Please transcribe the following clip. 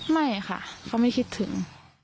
ไม่ค่ะเขาไม่คิดถึง